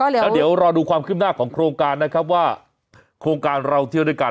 แล้วเดี๋ยวรอดูความขึ้นหน้าของโครงการนะครับว่าโครงการเราเที่ยวด้วยกัน